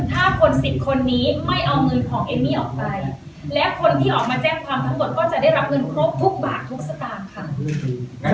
ถ้าคนสิบคนนี้ไม่เอาเงินของเอมมี่ออกไปและคนที่ออกมาแจ้งความทั้งหมดก็จะได้รับเงินครบทุกบาททุกสตางค์ค่ะ